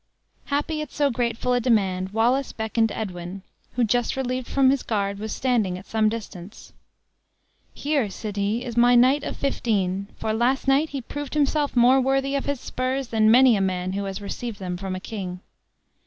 Happy at so grateful a demand, Wallace beckoned Edwin, who, just relieved from his guard, was standing at some distance. "Here," said he, "is my knight of fifteen! for last night he proved himself more worthy of his spurs than many a man who has received them from a king."